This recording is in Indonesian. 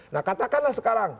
nah katakanlah sekarang